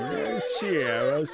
しあわせ。